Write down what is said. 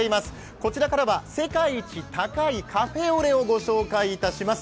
こちらからは世界一高いカフェオレをご紹介いたします。